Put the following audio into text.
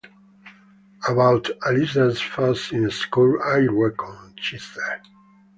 “About Aliza’s fuss in school, I reckon,” she said.